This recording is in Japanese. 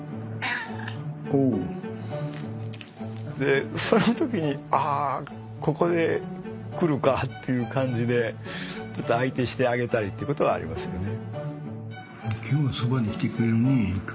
でその時にあここで来るかっていう感じでちょっと相手してあげたりってことはありますよね。